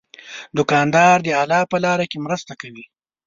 دوکاندار د الله په لاره کې مرسته کوي.